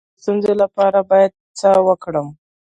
د هضم د ستونزې لپاره باید څه وکړم؟